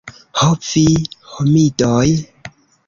Ho vi homidoj!